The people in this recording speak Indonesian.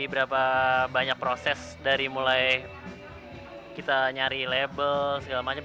berapa banyak proses dari mulai kita nyari label segala macam